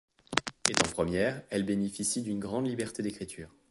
Étant première, elle bénéficie d'une grande liberté d'écriture.